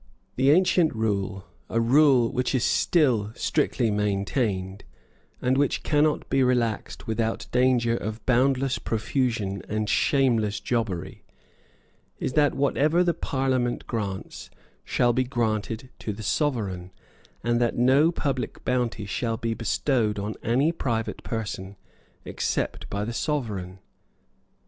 The ancient rule, a rule which is still strictly maintained, and which cannot be relaxed without danger of boundless profusion and shameless jobbery, is that whatever the Parliament grants shall be granted to the Sovereign, and that no public bounty shall be bestowed on any private person except by the Sovereign.